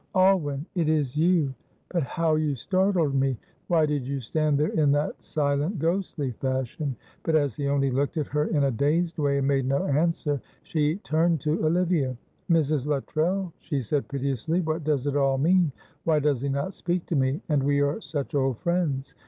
"Alwyn, it is you; but how you startled me! Why did you stand there in that silent, ghostly fashion?" But as he only looked at her in a dazed way, and made no answer, she turned to Olivia. "Mrs. Luttrell," she said, piteously, "what does it all mean? Why does he not speak to me, and we are such old friends?